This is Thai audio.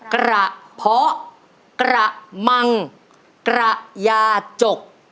กระเพาะกระมังกระยาจก